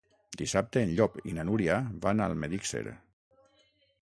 Dissabte en Llop i na Núria van a Almedíxer.